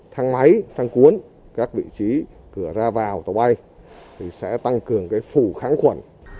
thăng máy thăng cuốn các vị trí cửa ra vào tàu bay sẽ tăng cường phủ kháng khuẩn